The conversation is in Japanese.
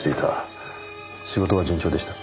仕事は順調でした。